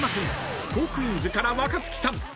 ［トークィーンズから若槻さん。